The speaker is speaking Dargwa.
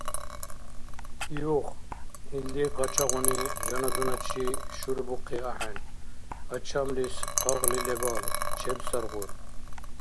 Юх, илди къачагъуни жаназуначи шурбухъи ахӀен, гьачамлис къагъли лебал. Чебсаргъур…